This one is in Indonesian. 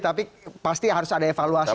tapi pasti harus ada evaluasi